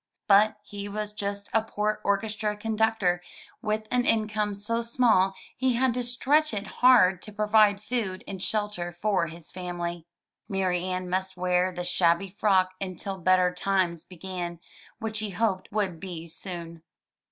But he was just a poor orchestra conductor with an income so small he had to stretch it hard to provide food and shelter for his family. Marianne must wear the shabby frock until better times began, which he hoped would be soon.